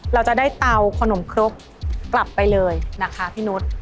เราจะได้เตาขนมครกกลับไปเลยนะคะพี่นุษย์